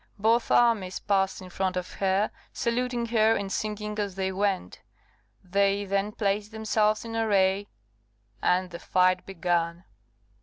Both armies passed in front of her, saluting her and singing as they went; they then placed themselves in array, and the fight began.